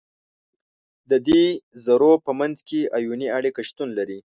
د دې ذرو په منځ کې آیوني اړیکه شتون لري.